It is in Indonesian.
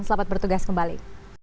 selamat bertugas kembali